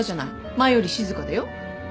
前より静かだよ。